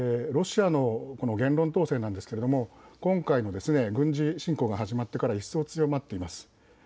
ロシアの言論統制ですが今回の軍事侵攻が始まってから一層強まっています。